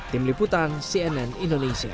tim liputan cnn indonesia